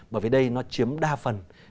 bởi vì đây nó chiếm đa phần